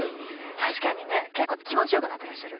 確かにね結構気持ちよくなってらっしゃる。